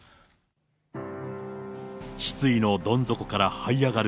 失意のどん底からはい上がる